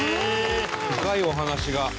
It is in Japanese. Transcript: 深いお話が。